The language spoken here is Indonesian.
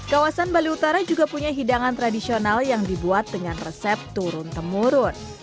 kawasan bali utara juga punya hidangan tradisional yang dibuat dengan resep turun temurun